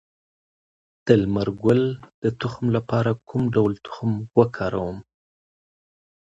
د لمر ګل د تخم لپاره کوم ډول تخم وکاروم؟